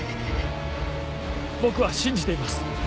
僕は信じています。